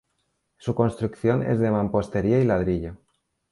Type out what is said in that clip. Su construcción es de mampostería y ladrillo.